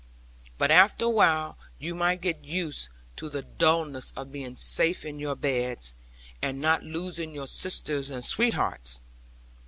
But after awhile you might get used to the dullness of being safe in your beds, and not losing your sisters and sweethearts.